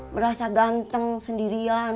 merasa ganteng sendirian